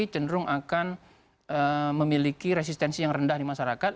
cenderung akan memiliki resistensi yang rendah di masyarakat